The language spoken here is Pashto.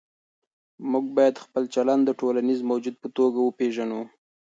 موږ باید خپل چلند د ټولنیز موجود په توګه وپېژنو.